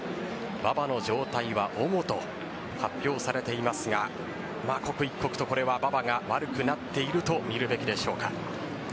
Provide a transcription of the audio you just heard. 馬場の状態は重と発表されていますが刻一刻と馬場が悪くなっているとみるべきでしょうか。